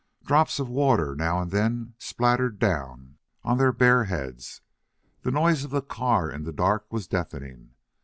Drops of water now and then spattered down on their bare heads. The noise of the car in the dark was deafening.